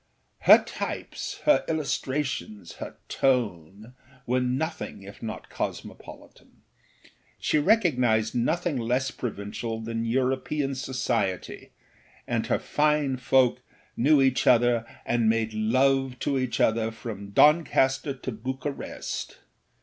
Her types, her illustrations, her tone were nothing if not cosmopolitan. She recognised nothing less provincial than European society, and her fine folk knew each other and made love to each other from Doncaster to Bucharest.